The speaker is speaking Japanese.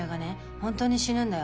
本当に死ぬんだよ。